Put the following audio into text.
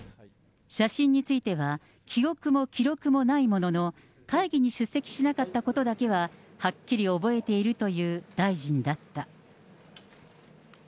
写真については、記憶も記録もないものの、会議に出席しなかったことだけははっきり覚えているという大臣だった。